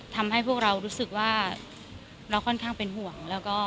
ทำให้พวกเรารู้สึกว่าเราค่อนข้างเป็นห่วงแล้วก็